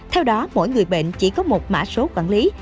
theo đó mỗi người bệnh chỉ có một mã số quản lý